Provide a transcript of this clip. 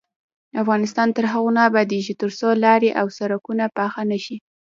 افغانستان تر هغو نه ابادیږي، ترڅو لارې او سرکونه پاخه نشي.